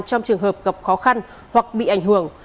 trong trường hợp gặp khó khăn hoặc bị ảnh hưởng